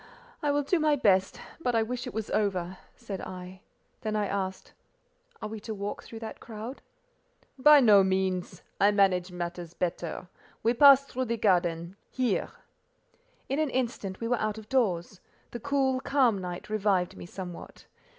"I will do my best, but I wish it was over," said I; then I asked: "Are we to walk through that crowd?" "By no means: I manage matters better: we pass through the garden—here." In an instant we were out of doors: the cool, calm night revived me somewhat.